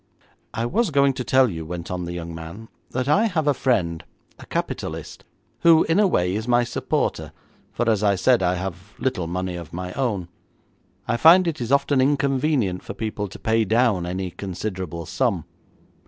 'I was going to tell you,' went on the young man, 'that I have a friend, a capitalist, who, in a way, is my supporter; for, as I said, I have little money of my own. I find it is often inconvenient for people to pay down any considerable sum.